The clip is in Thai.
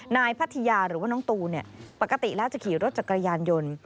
พัทยาหรือว่าน้องตูนปกติแล้วจะขี่รถจักรยานยนต์